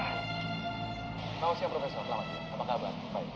apa mungkin power stone juga berada di sana